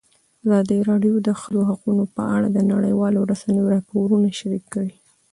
ازادي راډیو د د ښځو حقونه په اړه د نړیوالو رسنیو راپورونه شریک کړي.